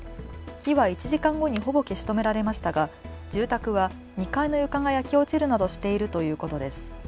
火は１時間後にほぼ消し止められましたが住宅は２階の床が焼け落ちるなどしているということです。